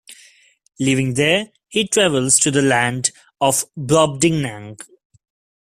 Leaving there, he travels to the land of Brobdingnag.